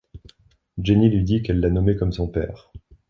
Jenny lui dit qu'elle l'a nommé comme son père.